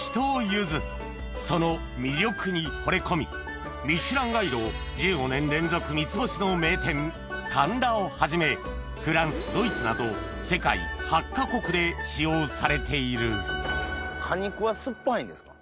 ゆずその魅力にほれ込み『ミシュランガイド』１５年連続三つ星の名店「かんだ」をはじめフランスドイツなど果肉は酸っぱいんですか？